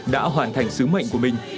đã hoàn thành sứ mệnh của mình